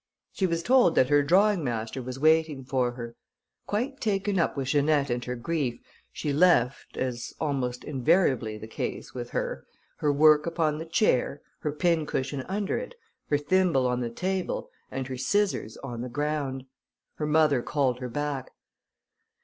She was told that her drawing master was waiting for her. Quite taken up with Janette and her grief, she left, as was almost invariably the case with her, her work upon the chair, her pincushion under it, her thimble on the table, and her scissors on the ground. Her mother called her back.